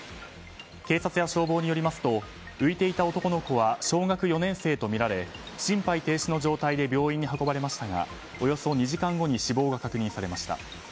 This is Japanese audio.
警察や消防によりますと浮いていた男の子は小学４年生とみられ心肺停止の状態で病院に運ばれましたがおよそ２時間後に死亡が確認されました。